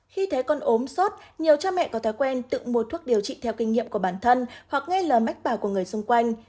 khi thấy con ốm sốt nhiều cha mẹ có thói quen tự mua thuốc điều trị theo kinh nghiệm của bản thân hoặc ngay là mách bảo của người xung quanh